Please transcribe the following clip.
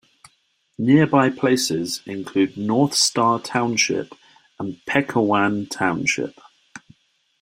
Nearby places include North Star Township and Pequaywan Township.